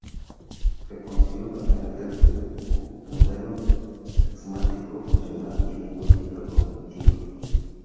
Se concibió en el contexto del Modelo Lexemático-Funcional y la Lingüística Cognitiva.